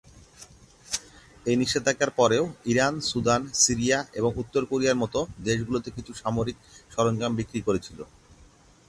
এই নিষেধাজ্ঞার পরেও ইরান সুদান, সিরিয়া এবং উত্তর কোরিয়ার মতো দেশগুলোতে কিছু সামরিক সরঞ্জাম বিক্রি করেছিল।